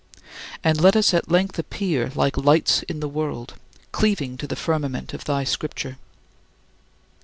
And let us at length appear like "lights in the world," cleaving to the firmament of thy Scripture.